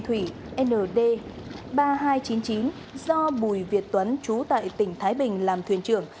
thủy nd ba nghìn hai trăm chín mươi chín do bùi việt tuấn trú tại tỉnh thái bình làm thuyền trưởng